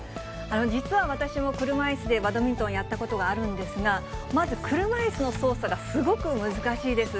実は私も車いすでバドミントンをやったことがあるんですが、まず車いすの操作がすごく難しいです。